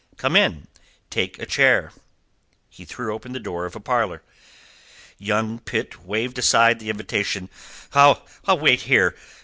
Come in... take a chair..." He threw open the door of a parlour. Young Pitt waved aside the invitation. "I'll wait here.